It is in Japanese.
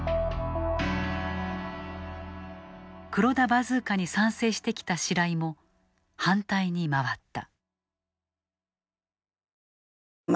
黒田バズーカに賛成してきた白井も反対に回った。